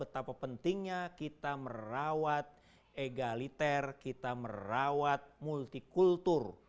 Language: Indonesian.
betapa pentingnya kita merawat egaliter kita merawat multikultur